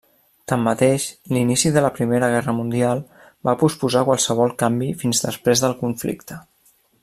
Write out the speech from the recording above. Tanmateix, l'inici de la Primera Guerra Mundial va posposar qualsevol canvi fins després del conflicte.